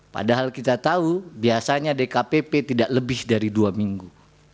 padahal kita tahu biasanya dkpp tidak lebih dari dua minggu